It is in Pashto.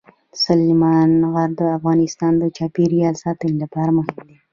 سلیمان غر د افغانستان د چاپیریال ساتنې لپاره مهم دي.